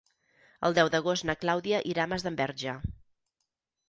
El deu d'agost na Clàudia irà a Masdenverge.